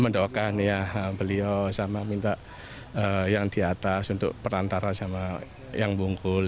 mendoakan ya beliau sama minta yang di atas untuk perantara sama yang bungkul